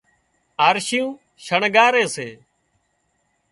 آرشيون شڻڳاري سي